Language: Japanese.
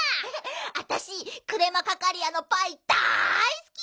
あたしクレマカカリアのパイだいすき！